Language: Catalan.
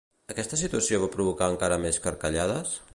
Aquesta situació va provocar encara més carcallades?